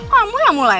kamu yang mulai